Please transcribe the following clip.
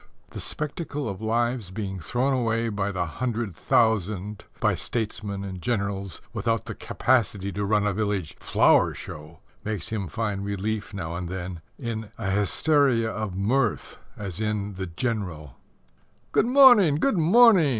The spectacle of lives being thrown away by the hundred thousand by statesmen and generals without the capacity to run a village flower show, makes him find relief now and then in a hysteria of mirth, as in The General: "Good morning; good morning!"